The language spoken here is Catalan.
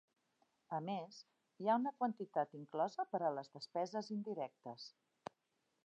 A més, hi ha una quantitat inclosa per a les despeses indirectes.